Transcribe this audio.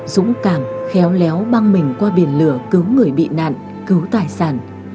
dũng cảm khéo léo băng mình qua biển lửa cứu người bị nạn cứu tài sản